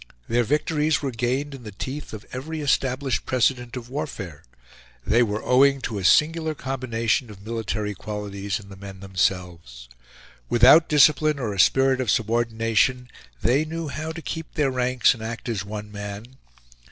Their victories were gained in the teeth of every established precedent of warfare; they were owing to a singular combination of military qualities in the men themselves. Without discipline or a spirit of subordination, they knew how to keep their ranks and act as one man.